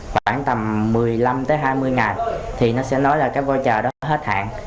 khoảng tầm một mươi năm hai mươi ngày thì nó sẽ nói là cái vô trợ đó hết hạn